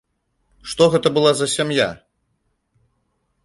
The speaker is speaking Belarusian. Што гэта была за сям'я?